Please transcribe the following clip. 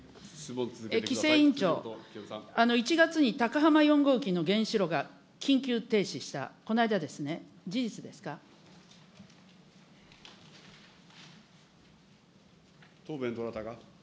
規制委員長、１日に高浜４号機の原子炉が緊急停止した、この間ですね、事実で答弁、どなたか。